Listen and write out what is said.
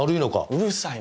うるさい。